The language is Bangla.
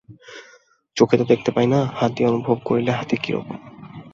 চোখে তো দেখিতে পায় না, হাত দিয়া অনুভব করিল হাতী কি রকম।